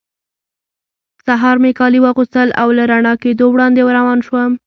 سهار مې کالي واغوستل او له رڼا کېدو وړاندې روان شوم.